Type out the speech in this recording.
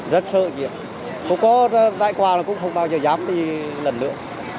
rất sợ nhiều cũng có đại quà là cũng không bao giờ dám đi lần nữa